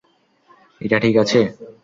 এইটা ঠিক আছে?